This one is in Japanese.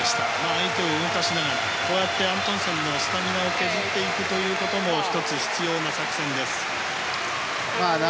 相手を動かしながらこうやって、アントンセンのスタミナを削っていくということも１つ必要な作戦です。